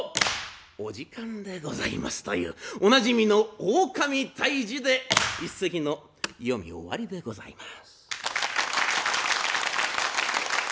お時間でございますというおなじみの「狼退治」で一席の読み終わりでございます。